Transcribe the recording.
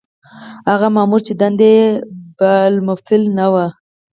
هغه مامور چې دنده یې بالفعل نه وي.